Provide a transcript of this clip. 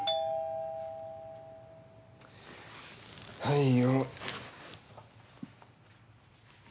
はいよ。